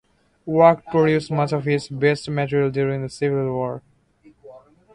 Work produced much of his best material during the Civil War.